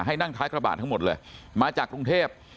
ให้นั่งท้ายกระบาดทั้งหมดเลยมาจากกรุงเทพ